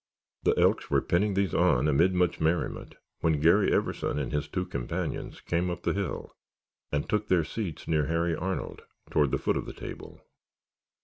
The Elks were pinning these on amid much merriment when Garry Everson and his two companions came up the hill and took their seats near Harry Arnold, toward the foot of the table.